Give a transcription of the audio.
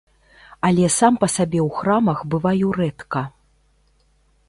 Але сам па сабе ў храмах бываю рэдка.